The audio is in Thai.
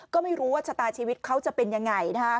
ก็ไม่รู้ว่าชะตาชีวิตเขาจะเป็นยังไง